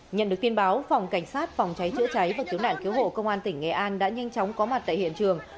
nhận được tin báo phòng cảnh sát phòng cháy chữa cháy và cứu nạn cứu hộ công an tỉnh nghệ an đã nhanh chóng có mặt tại hiện trường